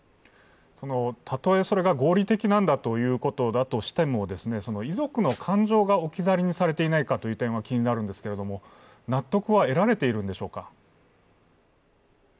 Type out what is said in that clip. たとえそれが合理的なんだとしても、遺族の感情が置き去りにされていないかという点は気になるんですけど納得は得られているんでしょうか？